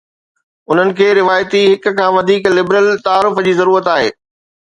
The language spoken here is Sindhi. انهن کي روايتي هڪ کان وڌيڪ لبرل تعارف جي ضرورت آهي.